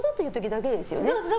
だけですよ。